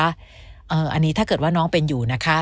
อันนี้ถ้าเกิดว่าน้องเป็นอยู่นะคะ